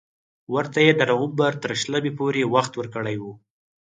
ورته یې د نومبر تر شلمې پورې وخت ورکړی وو.